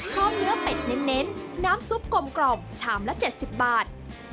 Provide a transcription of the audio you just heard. พร้อมเนื้อเป็ดเน้นน้ำซุปกลมชามละ๗๐บาท